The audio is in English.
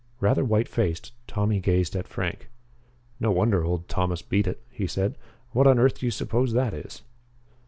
Rather white faced, Tommy gazed at Frank. "No wonder old Thomas beat it!" he said. "What on earth do you suppose that is?"